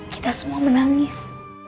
kita semua menangis